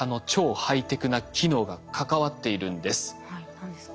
何ですか？